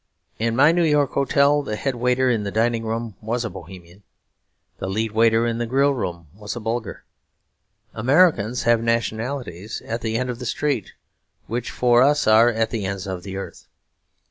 In my New York hotel the head waiter in the dining room was a Bohemian; the head waiter in the grill room was a Bulgar. Americans have nationalities at the end of the street which for us are at the ends of the earth.